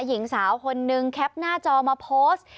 หญิงสาวคนนึงแคปหน้าจอมาโพสต์